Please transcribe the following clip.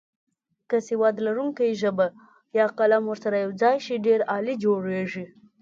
که سواد لرونکې ژبه یا قلم ورسره یوځای شي ډېر عالي جوړیږي.